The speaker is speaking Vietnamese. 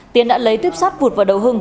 tiến đã lấy tiếp sát vụt vào đầu hưng